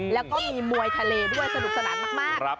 แล้วก็มีมวยทะเลด้วยสนุกสนานมาก